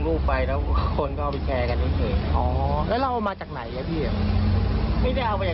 กุมารทองก็ส่วนใหญ่ก็เกี่ยวกับค่าสาย